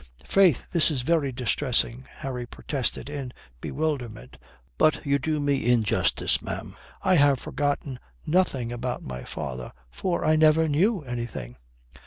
"Faith, this is very distressing," Harry protested in bewilderment. "But you do me injustice, ma'am. I have forgotten nothing about my father. For I never knew anything."